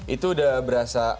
itu udah berasa